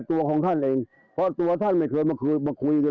ตัวของท่านเองเพราะตัวท่านไม่เคยมาคุยกัน